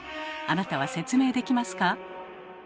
あなたは説明できますか？